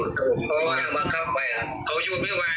เพราะว่าเขาหยุดเมื่อวาน